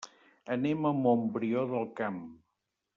Anem a Montbrió del Camp.